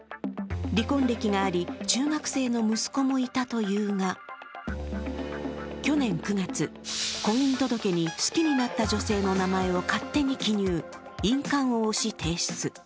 離婚歴があり、中学生の息子もいたというが、去年９月、婚姻届に好きになった女性の名前を勝手に記入、印鑑を押し提出。